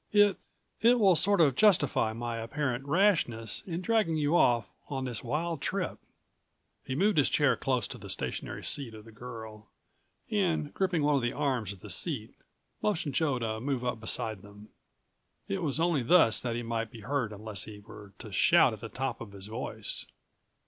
It—it will sort of justify my apparent rashness in dragging you off on this wild trip." He moved his chair close to the stationary seat of the girl and, gripping one of the arms of the seat, motioned Joe to move up beside190 them. It was only thus that he might be heard unless he were to shout at the top of his voice.